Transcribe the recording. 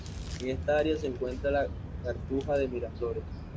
En esta área se encuentra la Cartuja de Miraflores.